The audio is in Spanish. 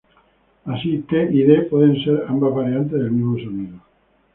Así, "t" y "d" pueden ser ambas variantes del mismo sonido.